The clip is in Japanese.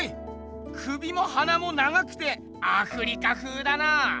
首も鼻も長くてアフリカふうだな。